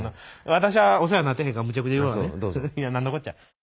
私はお世話になってへんからむちゃくちゃ言うわね。